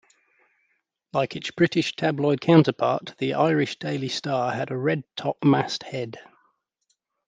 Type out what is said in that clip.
Like its British tabloid counterpart, the "Irish Daily Star" has a red-top mast head.